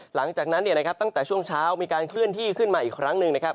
หลังจากนั้นตั้งแต่ช่วงเช้ามีการเคลื่อนที่ขึ้นมาอีกครั้งหนึ่งนะครับ